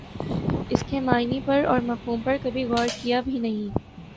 اسکے معانی پر اور مفہوم پر کبھی غورکیا بھی نہیں